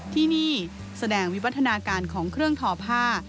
ที่นี่แสดงวิวัฒนาการของเครื่องทอผ้า